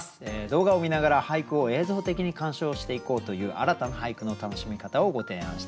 動画を観ながら俳句を映像的に鑑賞していこうという新たな俳句の楽しみ方をご提案していきたいと思います。